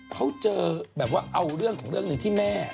เขาเจอแบบว่าเอาเรื่องของเรื่องหนึ่งที่แม่